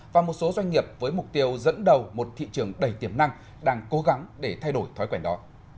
và một số doanh nghiệp với mục tiêu dẫn đầu một thị trường đầy tiềm năng đang cố gắng để thay đổi thói quen đó